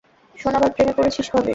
শোবানার প্রেমে পড়েছিস কবে?